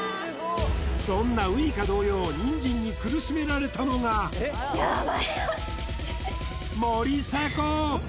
そんなウイカ同様ニンジンに苦しめられたのが森迫！